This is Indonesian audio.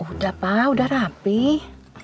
udah pak udah rapih